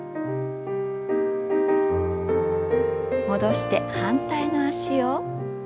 戻して反対の脚を。